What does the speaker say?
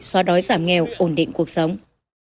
xóa đói giảm nghèo ổn định cuộc sống